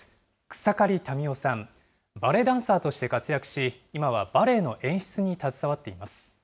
草刈民代さん、バレエダンサーとして活躍し、今はバレエの演出に携わっています。